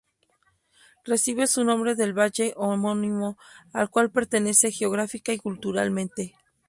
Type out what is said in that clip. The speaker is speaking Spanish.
Recibe su nombre del valle homónimo, al cual pertenece geográfica y culturalmente.